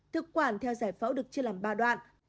thực quản theo giải phẫu được chia làm ba đoạn